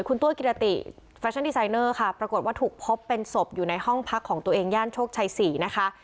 คุณตัวกิรติแฟชั่นดีไซเนอร์ค่ะปรากฏว่าถูกพบเป็นศพอยู่ในห้องพักของตัวเองย่านโชคชัย๔นะคะ